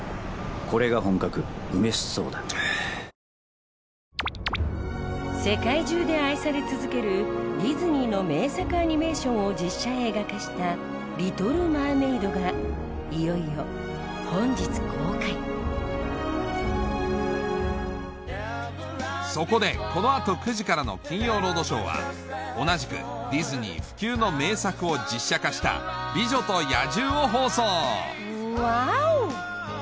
キッコーマン世界中で愛され続けるディズニーの名作アニメーションを実写映画化した『リトル・マーメイド』がいよいよ本日公開そこでこの後９時からの『金曜ロードショー』は同じくディズニー不朽の名作を実写化した『美女と野獣』を放送ワオ！